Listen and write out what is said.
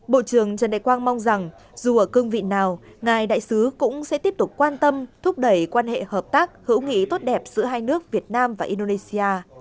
bộ trưởng trần đại quang mong rằng dù ở cương vị nào ngài đại sứ cũng sẽ tiếp tục quan tâm thúc đẩy quan hệ hợp tác hữu nghị tốt đẹp giữa hai nước việt nam và indonesia